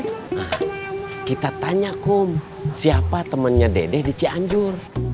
kita tanya kum siapa temennya dede di cianjur doy kita tanya kum siapa temennya dede di cianjur doy